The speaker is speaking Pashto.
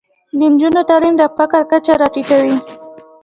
د نجونو تعلیم د فقر کچه راټیټوي.